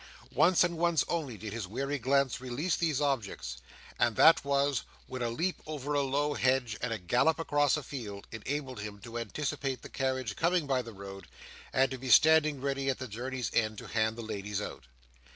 Once, and once only, did his wary glance release these objects; and that was, when a leap over a low hedge, and a gallop across a field, enabled him to anticipate the carriage coming by the road, and to be standing ready, at the journey's end, to hand the ladies out.